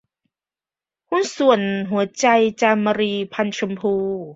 หุ้นส่วนหัวใจ - จามรี พรรณชมพู